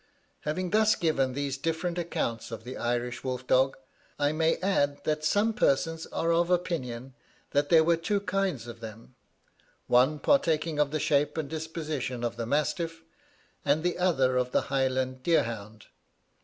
Having thus given these different accounts of the Irish wolf dog, I may add that some persons are of opinion that there were two kinds of them one partaking of the shape and disposition of the mastiff, and the other of the Highland deer hound.